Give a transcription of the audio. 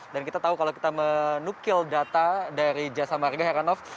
dan kita tahu kalau kita menukil data dari jasa marga heranov